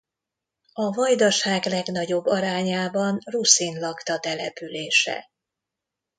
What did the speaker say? A Vajdaság legnagyobb arányában ruszin lakta települése.